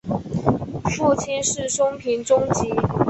父亲是松平忠吉。